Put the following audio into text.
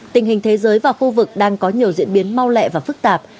tình hình thế giới và khu vực đang có nhiều diễn biến mau lẹ và phức tạp